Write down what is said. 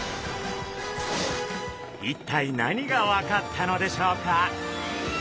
一体何が分かったのでしょうか？